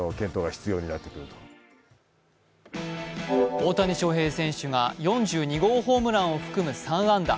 大谷翔平選手が４２号ホームランを含む３安打。